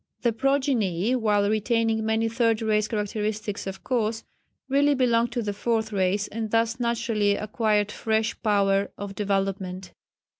The progeny, while retaining many Third Race characteristics, of course, really belonged to the Fourth Race, and thus naturally acquired fresh power of development.